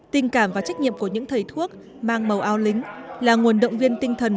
tình cảm và trách nhiệm của những thầy thuốc mang màu ao lính là nguồn động viên tinh thần